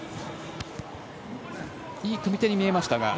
いい組み手に見えましたが。